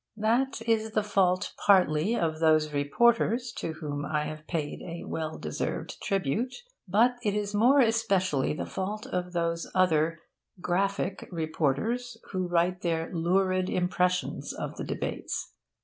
That is the fault partly of those reporters to whom I have paid a well deserved tribute. But it is more especially the fault of those other 'graphic' reporters, who write their lurid impressions of the debates.